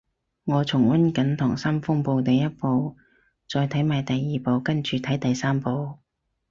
我重溫緊溏心風暴第一部，再睇埋第二部跟住睇第三部